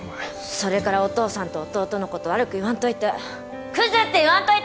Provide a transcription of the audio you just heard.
それからお父さんと弟のこと悪く言わんといてクズって言わんといて！